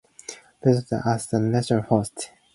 Vertebrates serve as the natural host.